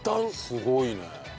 すごいね。